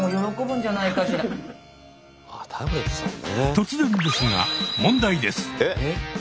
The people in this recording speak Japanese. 突然ですが問題です。